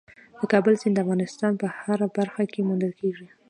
د کابل سیند د افغانستان په هره برخه کې موندل کېږي.